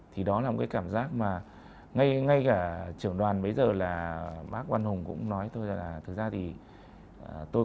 thì đó là cái cảm giác mà ngay ngay cả trưởng đoàn bây giờ là bác quang hùng cũng nói tôi là thực ra thì